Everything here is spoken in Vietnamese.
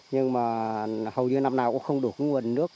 nhưng mà hầu như năm nào cũng không được nguồn nước